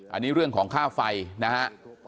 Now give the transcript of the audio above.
อันนี้เรื่องของค่าไฟนะฮะ